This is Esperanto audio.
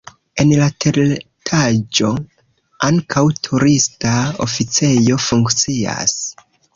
En la teretaĝo ankaŭ turista oficejo funkcias.